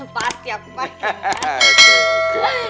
pasti aku pakai